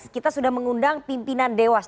kita sudah mengundang pimpinan dewas